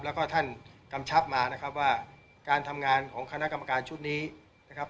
แล้วก็ท่านกำชับมานะครับว่าการทำงานของคณะกรรมการชุดนี้นะครับ